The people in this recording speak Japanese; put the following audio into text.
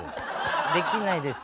できないです。